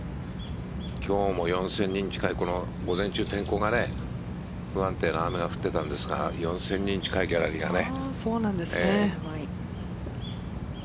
今日も４０００人近い午前中、天候が不安定な雨が降っていたんですが４０００人近いギャラリーがね。